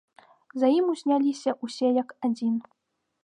За ім узняліся ўсе як адзін.